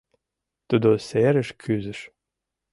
Тудо серыш кӱзыш.